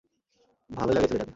ভালোই লাগে ছেলেটাকে।